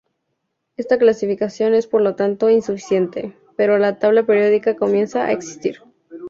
Esta clasificación es por lo tanto insuficiente, pero la tabla periódica comienza a existir.